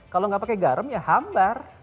kalau nggak pakai garam ya hambar